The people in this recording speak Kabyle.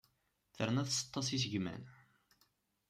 Terna tseṭṭa s isegman.